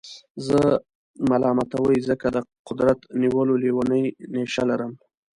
زه ملامتوئ ځکه د قدرت نیولو لېونۍ نېشه لرم.